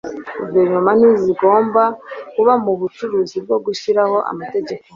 guverinoma ntizigomba kuba mu bucuruzi bwo gushyiraho amategeko